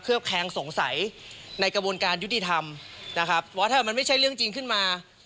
แคลงสงสัยในกระบวนการยุติธรรมนะครับว่าถ้ามันไม่ใช่เรื่องจริงขึ้นมา